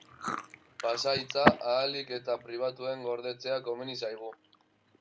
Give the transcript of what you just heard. Pasahitza ahalik eta pribatuen gordetzea komeni zaigu.